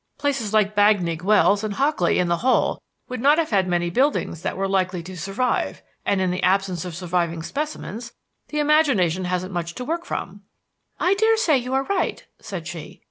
Places like Bagnigge Wells and Hockley in the Hole would not have had many buildings that were likely to survive; and in the absence of surviving specimens the imagination hasn't much to work from." "I daresay you are right," said she.